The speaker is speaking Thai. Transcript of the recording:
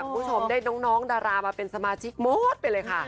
คุณผู้ชมได้น้องดารามาเป็นสมาชิกหมดไปเลยค่ะ